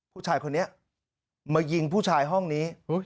ผู้ชายคนนี้มายิงผู้ชายห้องนี้